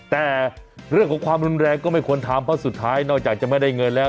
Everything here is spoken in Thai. แต่เรื่องของความรุนแรงก็ไม่ควรทำเพราะสุดท้ายนอกจากจะไม่ได้เงินแล้ว